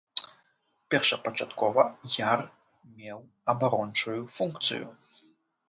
Першапачаткова яр меў абарончую функцыю.